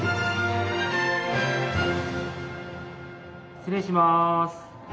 失礼します。